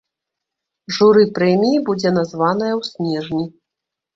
Журы прэміі будзе названае ў снежні.